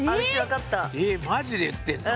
えマジで言ってんの！？